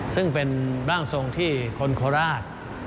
ซึ่งเป็นร่างทรงที่คนโคราช